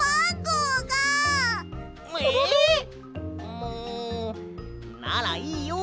もうならいいよ。